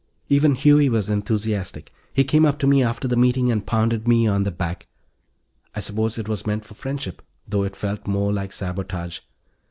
Even Huey was enthusiastic. He came up to me after the meeting and pounded me on the back; I suppose it was meant for friendship, though it felt more like sabotage.